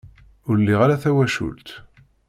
Ur liɣ ara tawacult.